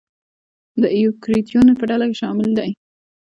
د ایوکریوتونو په ډله کې شامل دي.